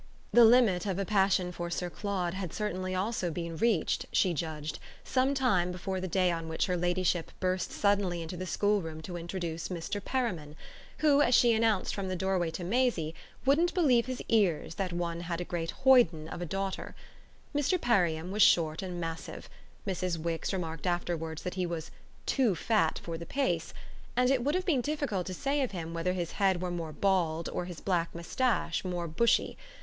The limit of a passion for Sir Claude had certainly been reached, she judged, some time before the day on which her ladyship burst suddenly into the schoolroom to introduce Mr. Perriam, who, as she announced from the doorway to Maisie, wouldn't believe his ears that one had a great hoyden of a daughter. Mr. Perriam was short and massive Mrs. Wix remarked afterwards that he was "too fat for the pace"; and it would have been difficult to say of him whether his head were more bald or his black moustache more bushy.